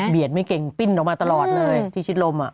ไม่เก่งปิ้นออกมาตลอดเลยที่ชิดลม